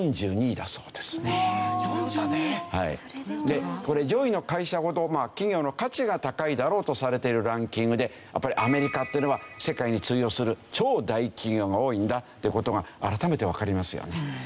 でこれ上位の会社ほど企業の価値が高いだろうとされているランキングでやっぱりアメリカっていうのは世界に通用する超大企業が多いんだっていう事が改めてわかりますよね。